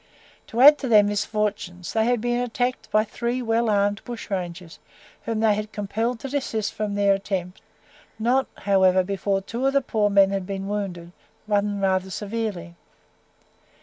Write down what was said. To add to their misfortunes, they had been attacked by three well armed bushrangers, whom they had compelled to desist from their attempt, not, however, before two of the poor men had been wounded, one rather severely.